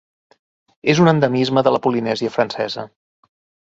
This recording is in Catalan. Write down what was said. És un endemisme de la Polinèsia Francesa.